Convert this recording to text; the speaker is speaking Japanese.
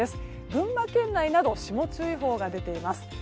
群馬県内など霜注意報が出ています。